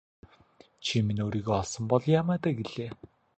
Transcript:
Чи минь өөрийгөө олсон бол яамай даа гэлээ.